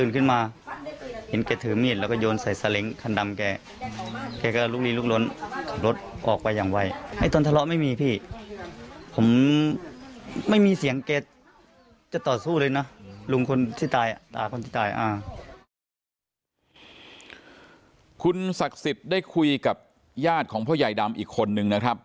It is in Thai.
คุณศักดิ์สิทธิ์ได้คุยกับญาติของพ่อใหญ่ดำอีกคนนึงนะครับ